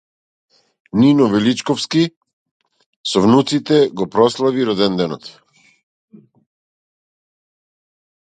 Нино Величковски со внуците го прослави роденденот